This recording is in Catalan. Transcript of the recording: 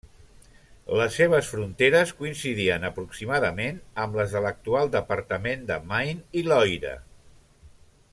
Les seves fronteres coincidien aproximadament amb les de l'actual departament de Maine i Loira.